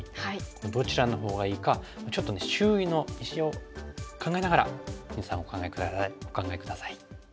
どちらのほうがいいかちょっと周囲の石を考えながら皆さんお考え下さい。